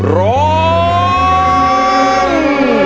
ร้อง